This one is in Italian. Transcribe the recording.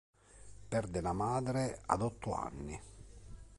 Perde la madre ad otto anni.